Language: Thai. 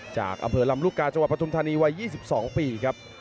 จากอเผอร์ลำลุกกาจังหวัดประทุมธนีย์วัย๒๒ปีครับ